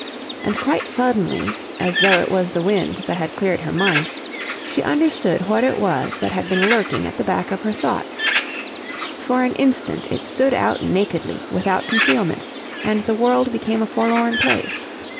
And quite suddenly, as though it was the wind that had cleared her mind, she understood what it was that had been lurking at the back of her thoughts. For an instant it stood out nakedly without concealment, and the world became a forlorn place.